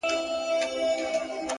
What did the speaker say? مثبت فکرونه مثبت عادتونه زېږوي.!